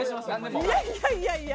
いやいやいやいや。